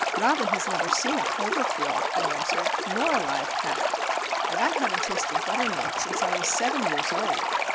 "Robin has never seen a clover field," I answered, "nor a live cow. And I haven't tasted buttermilk since I was seven years old.